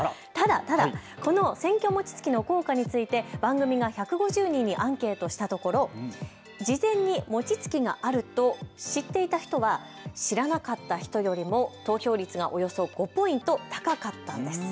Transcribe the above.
ただ、この選挙もちつきの効果について番組が１５０人にアンケートしたところ事前に餅つきがあると知っていた人は知らなかった人より投票率がおよそ５ポイント高かったんです。